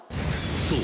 ［そう。